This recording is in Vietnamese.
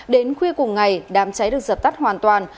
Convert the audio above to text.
đến khuya cùng ngày đám cháy được dập tắt hoàn toàn